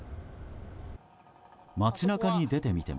街中に出てみても。